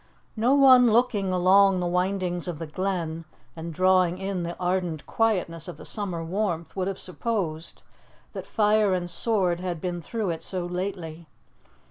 No one looking along the windings of the Glen, and drawing in the ardent quietness of the summer warmth, would have supposed that fire and sword had been through it so lately.